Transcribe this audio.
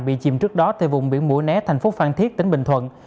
bị chìm trước đó tại vùng biển mũa né thành phố phan thiết tỉnh bình thuận